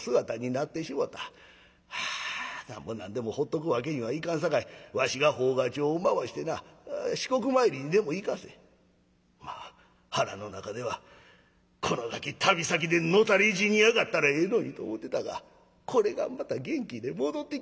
はあなんぼなんでもほっとくわけにはいかんさかいわしが奉加帳を回してな四国参りにでも行かせまあ腹の中ではこのガキ旅先で野たれ死にやがったらええのにと思てたがこれがまた元気で戻ってきよった。